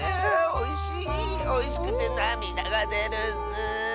おいしくてなみだがでるッス！